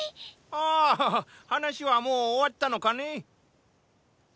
あー話はもう終わったのかね。